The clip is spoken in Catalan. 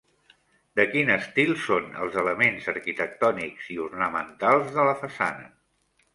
De quin estil són els elements arquitectònics i ornamentals de la façana?